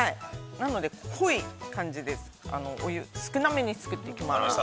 ◆なので、濃い感じで、お湯少なめに作っていきます。